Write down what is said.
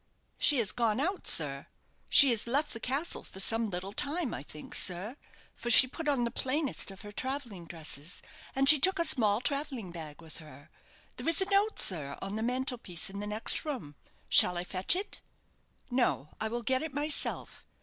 "She has gone out, sir. She has left the castle for some little time, I think, sir; for she put on the plainest of her travelling dresses, and she took a small travelling bag with her. There is a note, sir, on the mantel piece in the next room. Shall I fetch it?" "No; I will get it myself.